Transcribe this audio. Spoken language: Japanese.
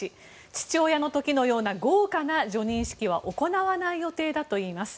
父親の時のような豪華な叙任式は行わない予定だといいます。